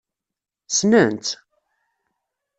Ssnen-tt?